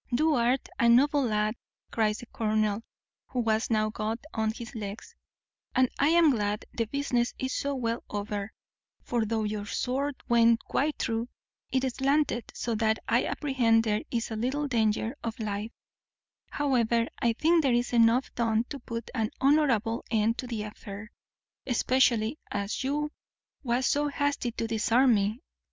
"Thou art a noble lad," cries the colonel, who was now got on his legs, "and I am glad the business is so well over; for, though your sword went quite through, it slanted so that I apprehend there is little danger of life: however, I think there is enough done to put an honourable end to the affair, especially as you was so hasty to disarm me.